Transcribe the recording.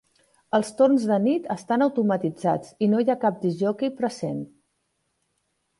Els torns de nit estan automatitzats i no hi ha cap discjòquei present.